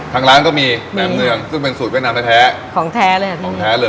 ทางร้านก็มีแหนมเนืองซึ่งเป็นสูตรเวียดนามแท้ของแท้เลยค่ะของแท้เลย